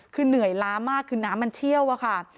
คือเหนื่อยล้ามากคือน้ำมันเชี่ยวอะค่ะ